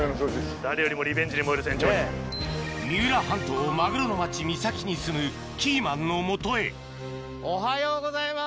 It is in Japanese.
三浦半島マグロの町三崎に住むキーマンのもとへおはようございます。